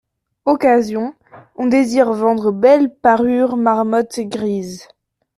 Occasion, on désire vendre belle parure marmotte grise.